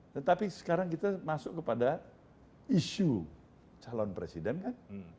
tetapi sekarang kita masuk kepada isu calon presiden kan